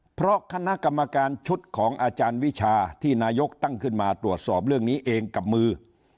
เพราะคณะกรรมการชุดของอาจารย์วิชาที่นายกตั้งขึ้นมาตรวจสอบเรื่องนี้เองกับมือ